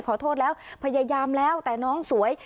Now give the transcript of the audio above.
ขอโทษแล้วพยายามแล้วแต่น้องสวย